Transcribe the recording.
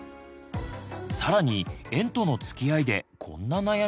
更に「園とのつきあい」でこんな悩みも。